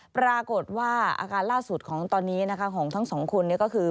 ปรากฏว่าอาการล่าสุดของตอนนี้นะคะของทั้งสองคนก็คือ